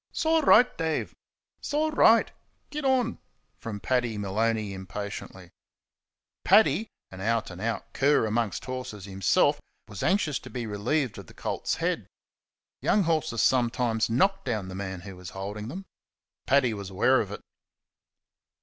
"'S all right, Dave; 's all right git on!" From Paddy Maloney, impatiently. Paddy, an out and out cur amongst horses himself, was anxious to be relieved of the colt's head. Young horses sometimes knock down the man who is holding them. Paddy was aware of it.